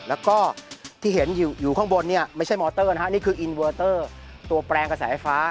แล้วก็ที่เห็นอยู่ข้างบนเนี่ยไม่ใช่มอเตอร์นะฮะนี่คืออินเวอร์เตอร์ตัวแปลงกระแสไฟฟ้า